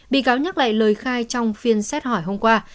bị cáo nhắc lại lời khai trong phiên xét hỏi hôm qua